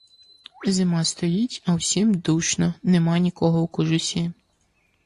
Зима стоїть, а всім душно, нема нікого в кожусі.